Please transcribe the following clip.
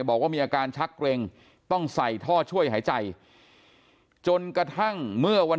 บอกว่ามีอาการชักเกร็งต้องใส่ท่อช่วยหายใจจนกระทั่งเมื่อวัน